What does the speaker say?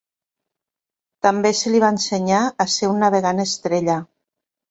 També se li va ensenyar a ser un navegant estrella.